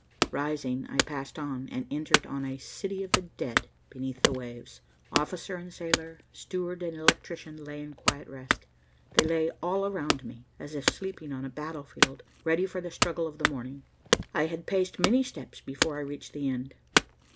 Rising, I passed on, and entered on a city of the dead beneath the waves. Officer and sailor, steward and electrician lay in quiet rest. They lay all around me, as if sleeping on a battlefield, ready for the struggle of the morning. I had paced many steps before I reached the end.